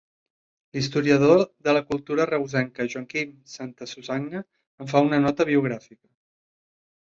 L'historiador de la cultura reusenca Joaquim Santasusagna en fa una nota biogràfica.